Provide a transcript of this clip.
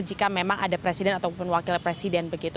jika memang ada presiden ataupun wakil presiden begitu